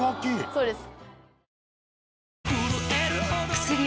そうです。